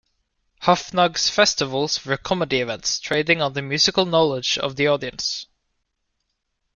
Hoffnung's festivals were comedy events, trading on the musical knowledge of the audience.